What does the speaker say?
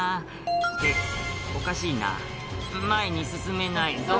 「っておかしいな前に進めないぞ」